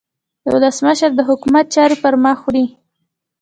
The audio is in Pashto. ولسمشر د حکومت چارې پرمخ وړي.